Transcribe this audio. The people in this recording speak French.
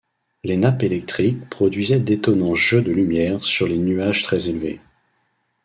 Les nappes électriques produisaient d’étonnants jeux de lumière sur les nuages très-élevés.